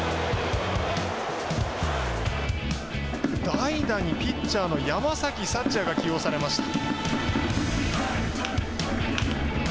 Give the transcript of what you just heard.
代打にピッチャーの山崎福也が起用されました。